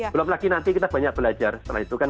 belum lagi nanti kita banyak belajar setelah itu kan